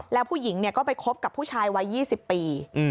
แล้วผู้หญิงก็ไปคบกับผู้ชายวัย๒๐ปี